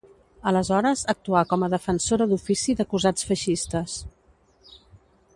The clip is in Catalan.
Aleshores actuà com a defensora d'ofici d'acusats feixistes.